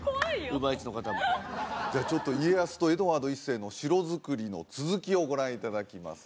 ＵｂｅｒＥａｔｓの方もちょっと家康とエドワード１世の城造りの続きをご覧いただきます